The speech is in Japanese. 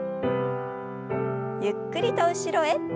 ゆっくりと後ろへ。